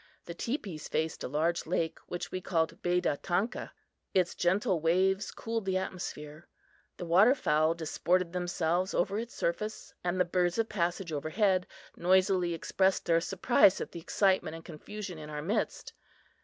The teepees faced a large lake, which we called Bedatanka. Its gentle waves cooled the atmosphere. The water fowl disported themselves over its surface, and the birds of passage overhead noisily expressed their surprise at the excitement and confusion in our midst.